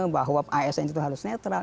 bahwa asn itu harus netral